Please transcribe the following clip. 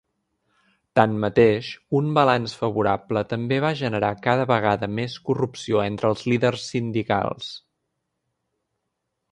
Tanmateix, un balanç favorable també va generar cada vegada més corrupció entre els líders sindicals.